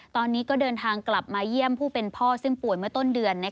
ตอนนี้ก็เดินทางกลับมาเยี่ยมผู้เป็นพ่อซึ่งป่วยเมื่อต้นเดือน